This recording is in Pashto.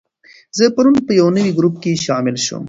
زه پرون په یو نوي ګروپ کې شامل شوم.